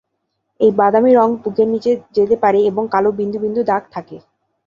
এই বাদামী রং বুকের নিচে যেতে পারে এবং কালো বিন্দু বিন্দু দাগ থাকে।